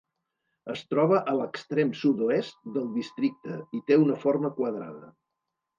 Es troba a l'extrem sud-oest del districte i té una forma quadrada.